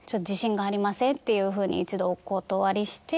やっぱり。っていうふうに一度お断りして。